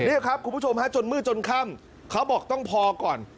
นี่ครับคุณผู้ชมฮะจนมืดจนค่ำเขาบอกต้องพอก่อน